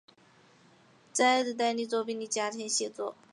在的代理作品中的甲田写作。